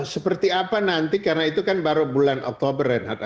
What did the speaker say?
seperti apa nanti karena itu kan baru bulan oktober renhat